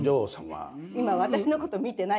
今私のこと見てない。